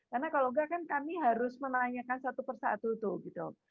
karena kalau enggak kan kami harus menanyakan satu persatu tuh gitu